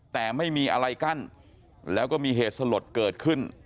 แต่ไม่มีอะไรกั้นแล้วก็มีเหตุสลดเกิดขึ้น